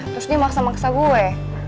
terus dia maksa maksa gue